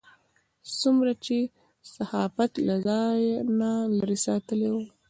څومره چې صحافت له ځانه لرې ساتلی و.